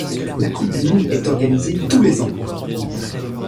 La Coupe du Monde est organisée tous les ans.